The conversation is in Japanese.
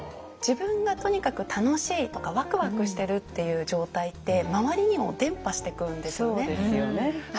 自分がとにかく楽しいとかワクワクしてるっていう状態って周りにも伝播していくんですよね。